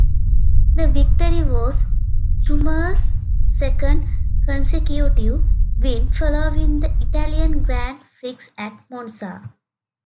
The victory was Schumacher's second consecutive win, following the Italian Grand Prix at Monza.